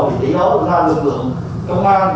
cho ông chí kiểm tra kiểm tra và bảo các sử lý